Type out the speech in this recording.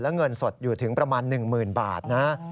และเงินสดอยู่ถึงประมาณ๑๐๐๐บาทนะ